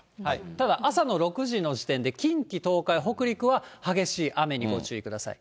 ただ、朝の６時の時点で近畿、東海、北陸は、激しい雨にご注意ください。